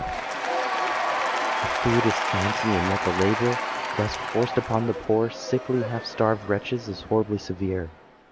The food is scanty;—and yet the labour thus forced upon the poor sickly, half starved wretches, is horribly severe.